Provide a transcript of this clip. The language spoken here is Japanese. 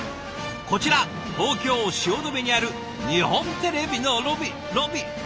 こちら東京・汐留にある日本テレビのロビーロビー。